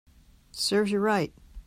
Serves you right